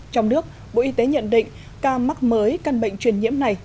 trong nước bộ y tế nhận định ca mắc mới căn bệnh truyền nhiễm này